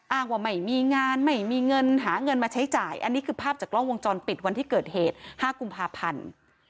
อ้างว่าไม่มีงานไม่มีเงินหาเงินมาใช้จ่ายอันนี้คือภาพจากกล้องวงจรปิดวันที่เกิดเหตุ๕กุมภาพันธ์